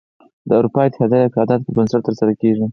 د اروپا اتحادیه د یوه قرار داد پر بنسټ تره سره کیږي.